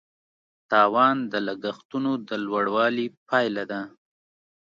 تاوان د لګښتونو د لوړوالي پایله ده.